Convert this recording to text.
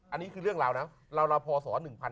อันนี้คือเรื่องราวราวภศ๑๑๐๐๑๓๐๐